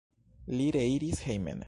Li reiris hejmen.